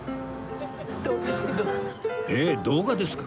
えっ動画ですか？